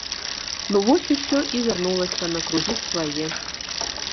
Ну вось ўсё і вярнулася на кругі свае.